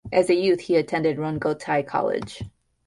As a youth he attended Rongotai College.